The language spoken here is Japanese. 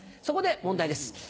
そこで問題です。